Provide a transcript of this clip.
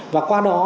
và qua đó